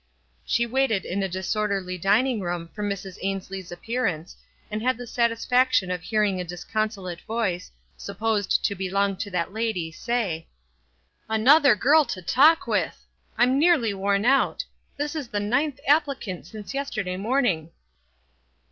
She waited in a disorderly dining room for Mrs. Ainslie's appearance, and had the satisfaction of hearing a disconsolate voice, sup posed to belong to that lady, say, —" Another girl to talk with ! I'm nearly worn out. This is the ninth applicant since yesterday morning.